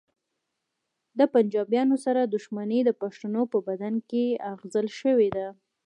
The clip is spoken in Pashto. د پنجابیانو سره دښمني د پښتنو په بدن کې اغږل شوې ده